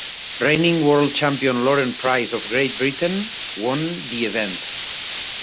Reigning World Champion Lauren Price of Great Britain won the event.